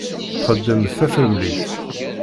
Txeddem d tafremlit.